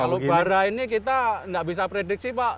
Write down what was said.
kalau bara ini kita tidak bisa prediksi pak